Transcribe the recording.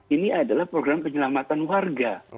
ini adalah program penyelamatan warga